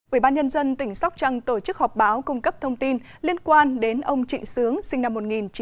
ủy ban nhân dân tỉnh sóc trăng tổ chức họp báo cung cấp thông tin liên quan đến ông trịnh sướng sinh năm một nghìn chín trăm sáu mươi bảy